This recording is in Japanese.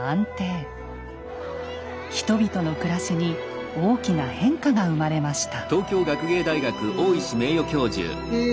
人々の暮らしに大きな変化が生まれました。